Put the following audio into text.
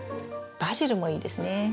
バジルもいいですね。